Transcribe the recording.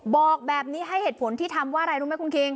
บอกแบบนี้ให้เหตุผลที่ทำว่าอะไรรู้ไหมคุณคิง